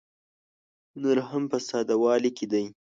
هنر هم په ساده والي کې دی.